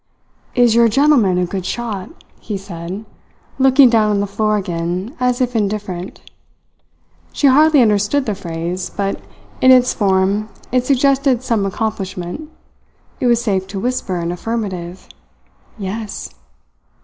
"Is your gentleman a good shot?" he said, looking down on the floor again, as if indifferent. She hardly understood the phrase; but in its form it suggested some accomplishment. It was safe to whisper an affirmative. "Yes."